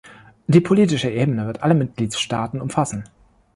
Die politische Ebene wird alle Mitgliedstaaten umfassen.